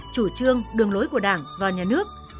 chủ trương đường lối của đảng và nhà nước